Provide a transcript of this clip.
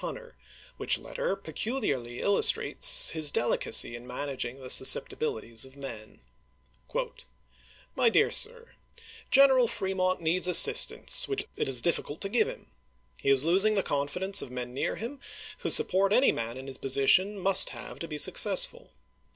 Hunter, which letter peculiarly illustrates his deli cacy in managing the susceptibilities of men : My Dear Sir : G eneral Fremont needs assistance which it is difficult to give him. He is losing the confidence of men near him, whose support any man in his position must have to be successful.